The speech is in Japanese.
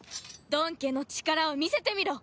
ドン家の力を見せてみろ！